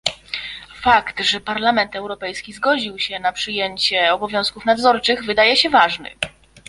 Fakt, że Parlament Europejski zgodził się na przyjęcie obowiązków nadzorczych, wydaje się ważny